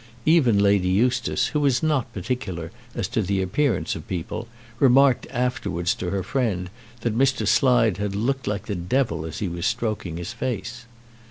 Even Lady Eustace, who was not particular as to the appearance of people, remarked afterwards to her friend that Mr. Slide had looked like the devil as he was stroking his face.